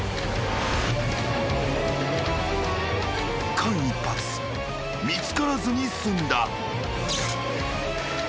［間一髪見つからずに済んだ］